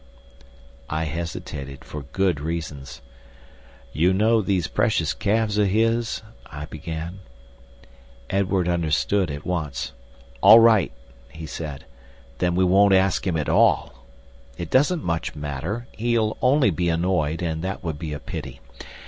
I hesitated, for good reasons. "You know those precious calves of his?" I began. Edward understood at once. "All right," he said; "then we won't ask him at all. It doesn't much matter. He'd only be annoyed, and that would be a pity.